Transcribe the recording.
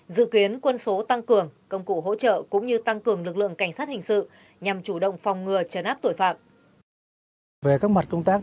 dự kiến quân số tăng cường công cụ hỗ trợ cũng như tăng cường lực lượng cảnh sát hình sự nhằm chủ động phòng ngừa chấn áp tội phạm